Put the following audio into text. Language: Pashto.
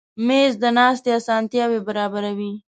مېز د ناستې اسانتیا برابروي.